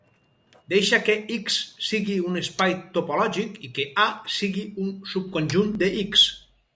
Deixa que "X" sigui un espai topològic, i que "A" sigui un subconjunt de "X".